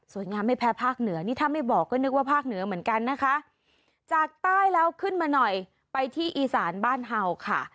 งามไม่แพ้ภาคเหนือนี่ถ้าไม่บอกก็นึกว่าภาคเหนือเหมือนกันนะคะจากใต้แล้วขึ้นมาหน่อยไปที่อีสานบ้านเห่าค่ะ